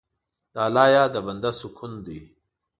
د الله یاد د بنده سکون دی.